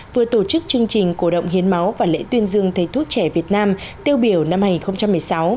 vừa tổ chức chương trình cổ động hiến máu và lễ tuyên dương thầy thuốc trẻ việt nam tiêu biểu năm hai nghìn một mươi sáu